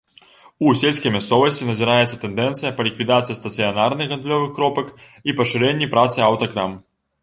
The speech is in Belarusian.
У сельскай мясцовасці назіраецца тэндэнцыя па ліквідацыі стацыянарных гандлёвых кропак і пашырэнні працы аўтакрам.